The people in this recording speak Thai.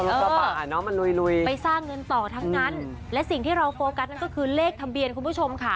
แล้วก็มันลุยไปสร้างเงินต่อทั้งนั้นและสิ่งที่เราโฟกัสนั่นก็คือเลขทะเบียนคุณผู้ชมค่ะ